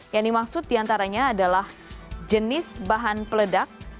yang dimaksud diantaranya adalah jenis bahan peledak